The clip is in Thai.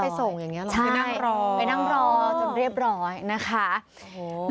ค่อยไปส่งอย่างนี้หรอไปนั่งรอจนเรียบร้อยนะคะโอ้โฮ